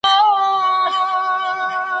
پر هر موړ پر هر پېچومي غلیم ایښي دي سل لومي